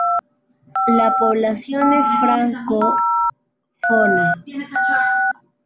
La población es francófona.